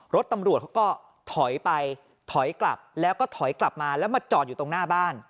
รถตำรวจเขาก็ถอยไปถอยกลับแล้วก็ถอยกลับมาแล้วมาจอดอยู่ตรงหน้าบ้าน